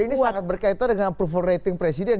jadi ini sangat berkaitan dengan proof of rating presiden